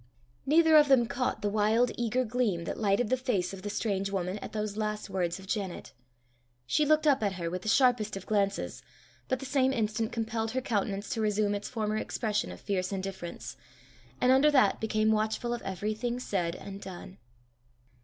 Neither of them caught the wild eager gleam that lighted the face of the strange woman at those last words of Janet. She looked up at her with the sharpest of glances, but the same instant compelled her countenance to resume its former expression of fierce indifference, and under that became watchful of everything said and done.